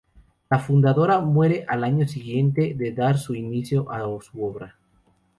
La fundadora muere al año siguiente de dar inicio a su obra.